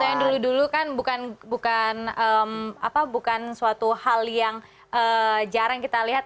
yang dulu dulu kan bukan suatu hal yang jarang kita lihat